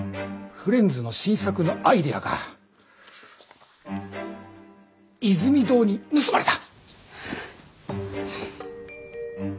フレンズの新作のアイデアがイズミ堂に盗まれた。